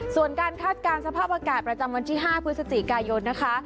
ส่วนการคาดการณ์สภาพอากาศประจำวันที่๕พฤศจิกายนนะคะ